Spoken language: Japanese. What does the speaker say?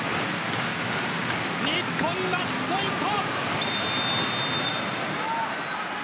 日本、マッチポイント。